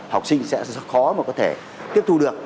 học sinh sẽ khó mà có thể tiếp thu được